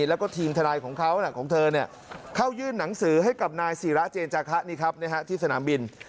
แล้วก็ทีมทนายของเขาของเธอเข้ายื่นหนังสือให้กับนายศิราเจนจาคะที่สนามบิน